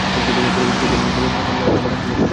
পরবর্তীকালে তিনি নবম পাঞ্চেন লামার নিকট শিক্ষালাভ করেন।